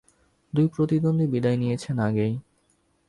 দুই প্রতিদ্বন্দ্বী বিদায় নিয়েছেন আগেই।